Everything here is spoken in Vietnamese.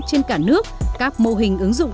trên cả nước các mô hình ứng dụng